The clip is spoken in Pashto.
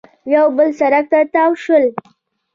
یو بل سړک ته تاو شول